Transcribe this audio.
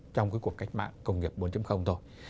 trong cái cuộc cách mạng công nghiệp bốn thôi